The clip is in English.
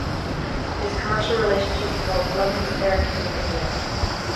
His commercial relationships involved Blemmyes, Saracens, and India.